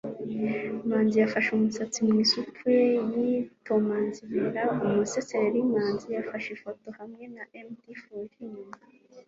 manzi yasanze umusatsi mu isupu ye yitomanzibera umusereri manzi yafashe ifoto ye hamwe na mt fuji inyuma